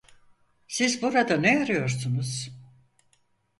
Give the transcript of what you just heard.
Siz burada ne arıyorsunuz?